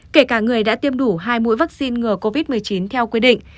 kể cả người đã tiêm đủ hai mũi vaccine ngừa covid một mươi chín theo quy định